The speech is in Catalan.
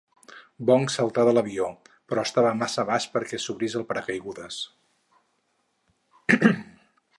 Bong saltà de l'avió, però estava massa baix perquè s'obrís el paracaigudes.